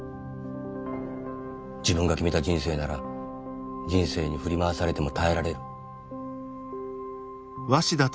自分が決めた人生なら人生に振り回されても耐えられる。